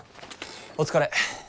お疲れ。